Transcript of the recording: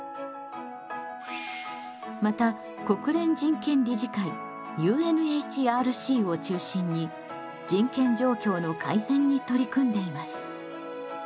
また国連人権理事会・ＵＮＨＲＣを中心に人権状況の改善に取り組んでいます。